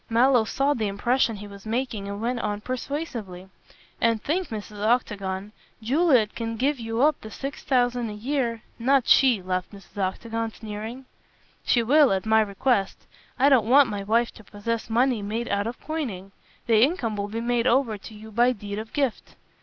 Mallow saw the impression he was making and went on persuasively. "And think, Mrs. Octagon, Juliet can give you up the six thousand a year " "Not she," laughed Mrs. Octagon, sneering. "She will, at my request. I don't want my wife to possess money made out of coining. The income will be made over to you by deed of gift."